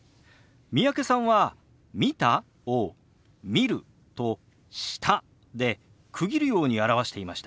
三宅さんは「見た？」を「見る」と「した」で区切るように表していましたね。